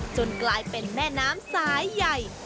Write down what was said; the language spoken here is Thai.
กลายเป็นแม่น้ำสายใหญ่